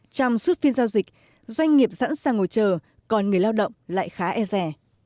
trong suốt phiên giao dịch doanh nghiệp sẵn sàng ngồi chờ còn người lao động lại khá e rẻ